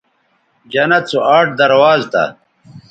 جنت سو آٹھ درواز تھا